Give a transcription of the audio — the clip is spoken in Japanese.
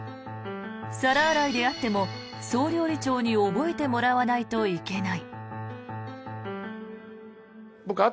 皿洗いであっても、総料理長に覚えてもらわないといけない。